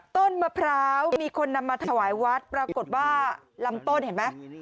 ต้นมะพร้าวมีคนนำมาถวายวัดปรากฏว่าลำต้นเห็นไหม